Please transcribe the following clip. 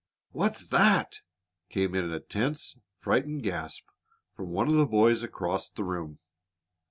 "What's that?" came in a tense, frightened gasp from one of the boys across the room.